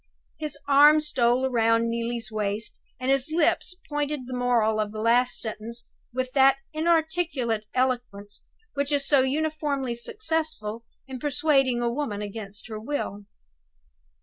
His arm stole round Neelie's waist, and his lips pointed the moral of the last sentence with that inarticulate eloquence which is so uniformly successful in persuading a woman against her will.